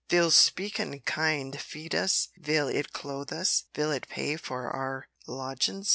Vill speakin' kind feed us, vill it clothe us, vill it pay for our lodgin's!"